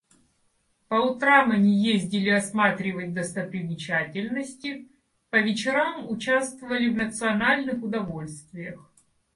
По утрам они ездили осматривать достопримечательности, по вечерам участвовали в национальных удовольствиях.